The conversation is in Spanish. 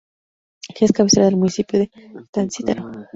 Es cabecera del municipio de Tancítaro.